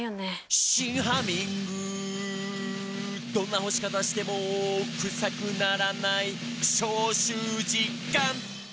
「どんな干し方してもクサくならない」「消臭実感！」